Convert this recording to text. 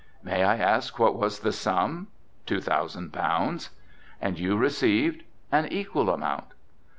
"May I ask what was the sum?" "Two thousand pounds." "And you received?" "An equal amount."